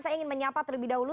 saya ingin menyapa terlebih dahulu